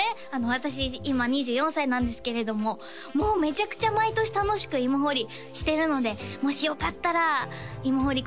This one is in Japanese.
私今２４歳なんですけれどももうめちゃくちゃ毎年楽しく芋掘りしてるのでもしよかったら芋掘り